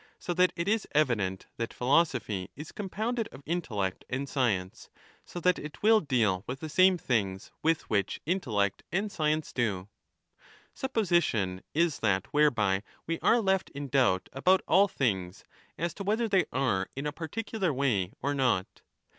So that it is evident that philosophy is com pounded of intellect and science, so that it will deal with the same things with which intellect and science do. 30 Supposition is that whereby we are left in doubt about all things as to whether they are in a particular way or not.